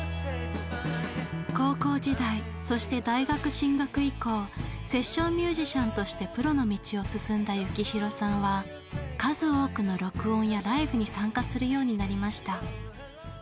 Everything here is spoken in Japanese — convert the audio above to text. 高校時代そして大学進学以降セッションミュージシャンとしてプロの道を進んだ幸宏さんは数多くの録音やライブに参加するようになりました。